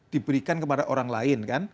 diberikan kepada orang lain kan